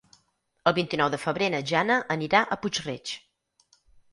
El vint-i-nou de febrer na Jana anirà a Puig-reig.